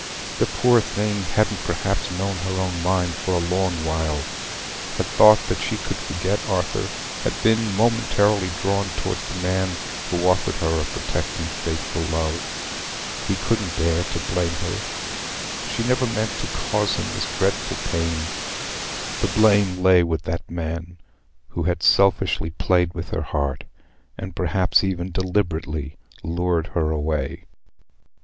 The poor thing hadn't perhaps known her own mind for a long while; had thought that she could forget Arthur; had been momentarily drawn towards the man who offered her a protecting, faithful love. He couldn't bear to blame her: she never meant to cause him this dreadful pain. The blame lay with that man who had selfishly played with her heart—had perhaps even deliberately lured her away.